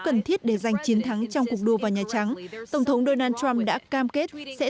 cần thiết để giành chiến thắng trong cuộc đua vào nhà trắng tổng thống donald trump đã cam kết sẽ